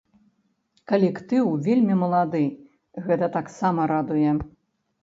Калектыў вельмі малады, гэта таксама радуе.